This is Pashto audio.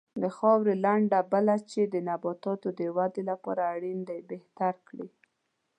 د خاورې لنده بل چې د نباتاتو د ودې لپاره اړین دی بهتره کړي.